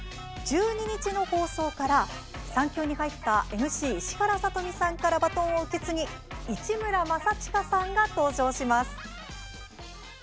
１２日の放送から、産休に入ったＭＣ石原さとみさんからバトンを受け継ぎ市村正親さんが登場します。